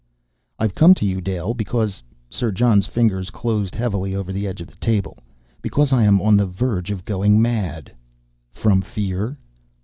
"I've come to you. Dale, because " Sir John's fingers closed heavily over the edge of the table "because I am on the verge of going mad." "From fear?"